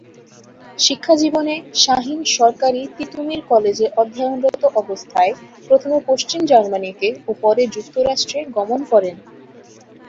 শিক্ষাজীবনে শাহীন সরকারী তিতুমীর কলেজে অধ্যয়নরত অবস্থায় প্রথমে পশ্চিম জার্মানিতে ও পরে যুক্তরাষ্ট্রে গমন করেন।